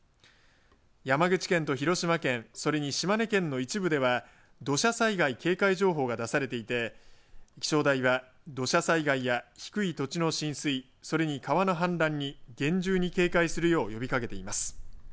山口県と広島県それに島根県の一部では土砂災害警戒情報が出されていて気象台は土砂災害や低い土地の浸水それに川の氾濫に厳重に警戒するよう呼びかけています。